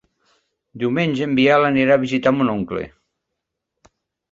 Diumenge en Biel anirà a visitar mon oncle.